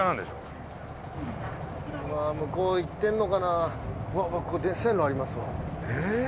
向こう行ってんのかな？